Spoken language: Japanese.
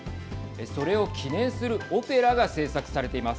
それを記念するオペラが制作されています。